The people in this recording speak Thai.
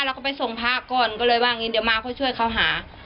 เราก็ไปส่งพระก่อนก็เลยว่าอย่างนี้เดี๋ยวมาค่อยช่วยเขาหา